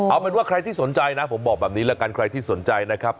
เอาเป็นว่าใครที่สนใจนะผมบอกแบบนี้แล้วกันใครที่สนใจนะครับ